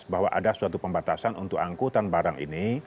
bahwa ada suatu pembatasan untuk angkutan barang ini